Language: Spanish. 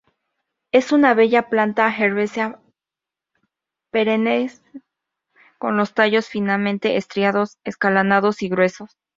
Es una bella planta herbácea perenne con los tallos finamente estriados, acanalados y gruesos.